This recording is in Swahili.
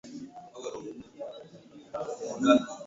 kwamba Rwanda inaunga mkono waasi hao na kusema maana